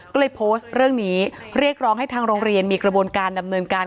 ก็เลยโพสต์เรื่องนี้เรียกร้องให้ทางโรงเรียนมีกระบวนการดำเนินการ